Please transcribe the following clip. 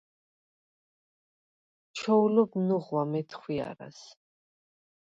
ჩოულობ ნუღვა მეთხვიარას: